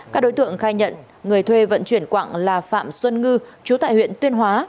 các đối tượng khai nhận người thuê vận chuyển quạng là phạm xuân ngư chú tại huyện tuyên hóa